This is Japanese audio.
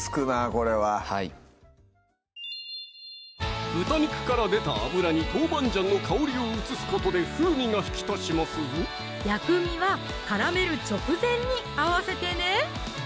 これははい豚肉から出た油に豆板醤の香りを移すことで風味が引き立ちますぞ薬味は絡める直前に合わせてね